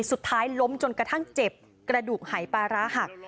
สุดท้ายล้มจนกระทั่งเจ็บกระดูกหายปลาร้าหัก